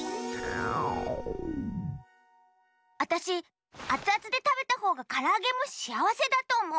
あたしあつあつでたべたほうがからあげもしあわせだとおもう。